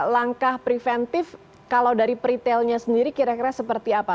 langkah preventif kalau dari peritelnya sendiri kira kira seperti apa